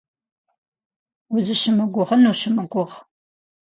Узыщымыгугъын ущымыгугъ.